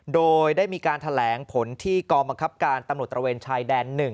โดยได้มีการแถลงผลที่กองบังคับการตำรวจตระเวนชายแดน๑